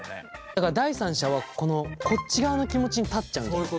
だから第三者はこのこっち側の気持ちに立っちゃうんじゃない？